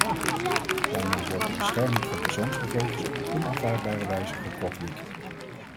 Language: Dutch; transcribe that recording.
Daarmee wordt de bescherming van persoonsgegevens op onaanvaardbare wijze gekortwiekt.